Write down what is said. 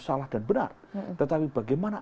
salah dan benar tetapi bagaimana